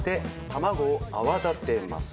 卵を泡立てます。